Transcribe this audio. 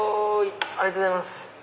ありがとうございます。